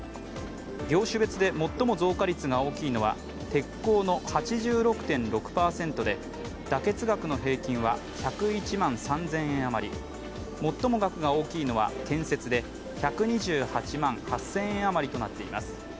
業種別で最も増加率が大きいのは鉄鋼の８６．６％で妥結額の平均は１０１万３０００円余り最も額が大きいのは建設で１２８万８０００円余りとなっています。